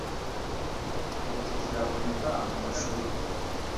murekezi yabonye A mu ishuri